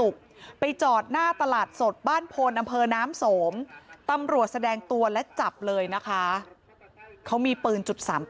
เขามีปืน๓๘